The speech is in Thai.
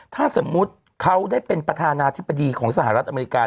ถ้าสมมุติเขาได้เป็นประธานาธิบดีของสหรัฐอเมริกา